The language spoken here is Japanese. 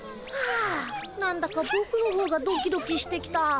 あなんだかぼくのほうがドキドキしてきた。